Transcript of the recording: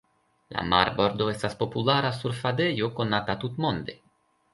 La marbordo estas populara surfadejo konata tutmonde.